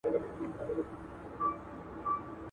آیا د لوړو زده کړو وزارت نوي قوانین وضع کړي دي؟